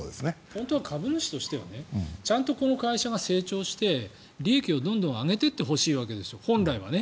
本当は株主としてはちゃんとこの会社が成長して利益をどんどん上げていってほしいわけですよ本来は。